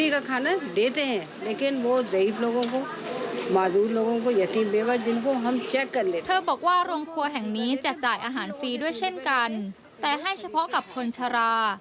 เธอบอกว่าโรงครัวแห่งนี้แจกจ่ายอาหารฟรีด้วยเช่นกันแต่ให้เฉพาะกับคนชะลา